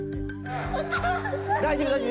大丈夫大丈夫。